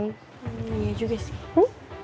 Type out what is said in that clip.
iya juga sih